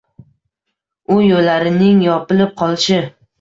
U yo’llarining yopilib qolishi.